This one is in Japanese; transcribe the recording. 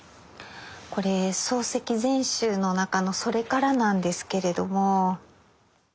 これ「漱石全集」の中の「それから」なんですけれども。